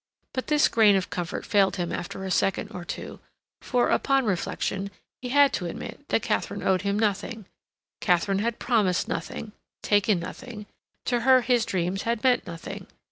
But this grain of comfort failed him after a second or two, for, upon reflection, he had to admit that Katharine owed him nothing. Katharine had promised nothing, taken nothing; to her his dreams had meant nothing.